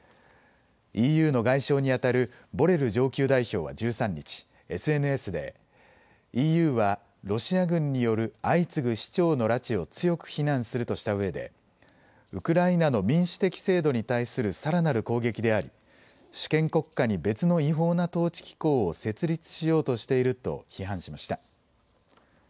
ＥＵの外相にあたる、ボレル上級代表は１３日、ＳＮＳでＥＵはロシア軍による相次ぐ市長の拉致を強く非難するとしたうえでウクライナの民主的制度に対するさらなる攻撃であり主権国家に別の違法な統治機構を設立しようとしていると批判しました。